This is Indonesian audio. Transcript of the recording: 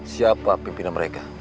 siapa pimpinan mereka